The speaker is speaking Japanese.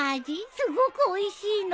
すごくおいしいの？